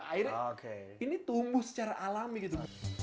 akhirnya ini tumbuh secara alami gitu